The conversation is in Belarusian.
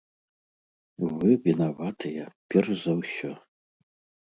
Вы вінаватыя перш за ўсё!